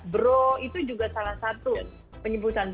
bro itu juga salah satu penyebutan